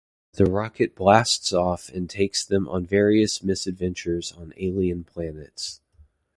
The rocket blasts off and takes them on various misadventures on alien planets.